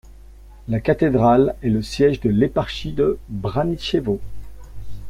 La cathédrale est le siège de l'éparchie de Braničevo.